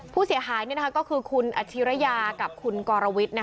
ผู้เสียหายก็คือคุณอาชิริยากับคุณกรวิทย์